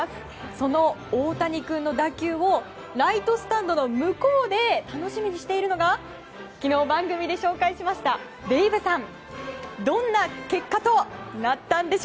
そのオオタニくんの打球をライトスタンドの向こうで楽しみにしているのが昨日、番組で紹介しましたデイブさんです。